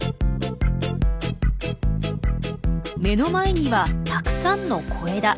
目の前にはたくさんの小枝。